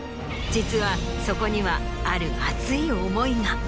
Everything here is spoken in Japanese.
実はそこにはある熱い思いが。